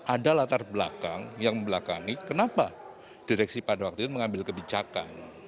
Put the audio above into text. ada latar belakang yang membelakangi kenapa direksi pada waktu itu mengambil kebijakan